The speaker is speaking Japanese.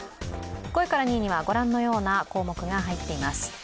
５位から２位にはご覧のような項目が入っています。